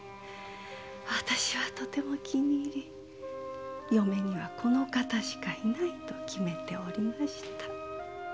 私はとても気に入り嫁にはこの方しかいないと決めておりました。